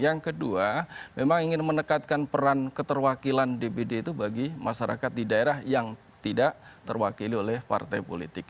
yang kedua memang ingin menekatkan peran keterwakilan dpd itu bagi masyarakat di daerah yang tidak terwakili oleh partai politik